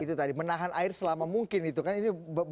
itu tadi menahan air selama mungkin itu kan